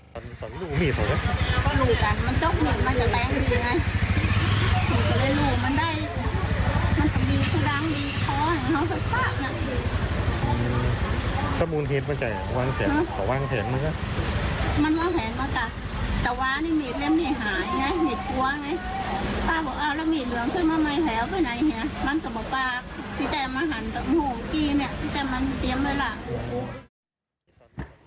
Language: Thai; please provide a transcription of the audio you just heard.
โหพี่เนี่ยจำมันเตรียมเลยล่ะ